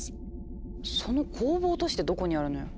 その工房都市ってどこにあるのよ？